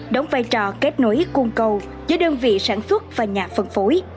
đóng vai trò kết nối cung cầu giữa đơn vị sản xuất và nhà phân phối